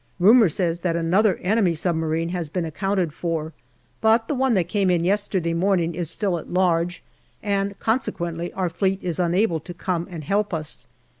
Rumour says that another enemy submarine has been accounted for, but the one that came in yesterday morning is still at large, and consequently our Fleet is unable to come and help us.